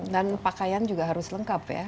dan pakaian juga harus lengkap ya